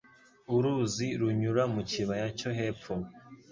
Uruzi runyura mu kibaya cyo hepfo